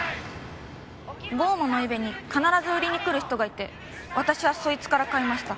『降魔』のイベに必ず売りに来る人がいて私はそいつから買いました。